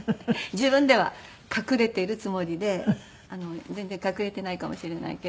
自分では隠れているつもりで全然隠れていないかもしれないけど。